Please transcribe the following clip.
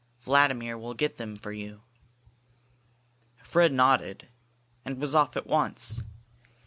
Vladimir will get them for you." Fred nodded, and was off at once.